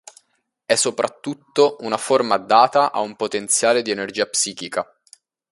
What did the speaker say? È soprattutto una forma data a un potenziale di energia psichica.